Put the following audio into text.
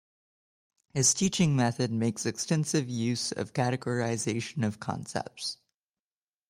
His teaching method makes extensive use of categorization of concepts.